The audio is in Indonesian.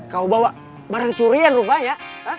kau bawa barang curian rupanya